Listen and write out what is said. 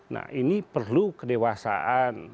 nah ini perlu kedewasaan